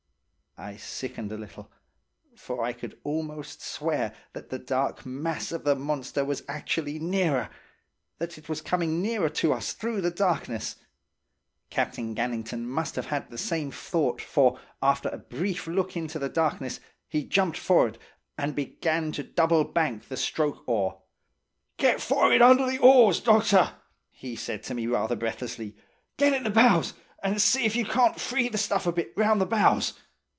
I sickened a little, for I could almost swear that the dark mass of the monster was actually nearer–that it was coming nearer to us through the darkness. Captain Gannington must have had the same thought, for, after a brief look into the darkness, he jumped forrard, and began to double bank the stroke oar. "'Get forrid under the oars, doctor,' he said to me rather breathlessly. 'Get in the bows, an' see if you can't free the stuff a bit round the bows.